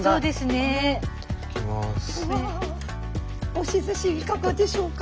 押しずしいかがでしょうか？